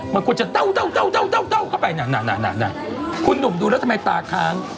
มันควรจะเด้าเข้าไปคุณหนุ่มดูแล้วทำไมตาค้าง